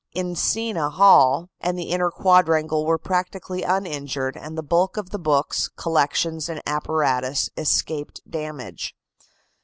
Encina Hall and the inner quadrangle were practically uninjured, and the bulk of the books, collections and apparatus escaped damage.